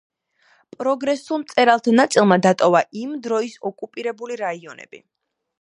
პროგრესულ მწერალთა ნაწილმა დატოვა იმ დროის ოკუპირებული რაიონები.